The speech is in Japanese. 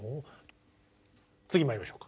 次まいりましょうか。